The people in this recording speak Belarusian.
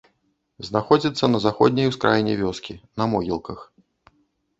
Знаходзіцца на заходняй ускраіне вёскі, на могілках.